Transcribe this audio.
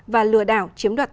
và lừa đảo